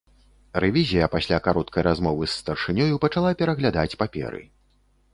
Рэвізія пасля кароткай размовы з старшынёю пачала пераглядаць паперы.